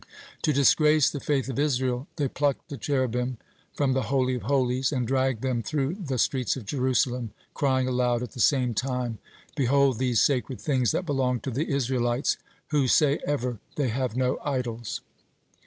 (50) To disgrace the faith of Israel, they plucked the Cherubim from the Holy of Holies and dragged them through the streets of Jerusalem, crying aloud at the same time: "Behold these sacred things that belong to the Israelites, who say ever they have no idols."